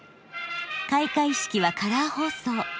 開会式はカラー放送。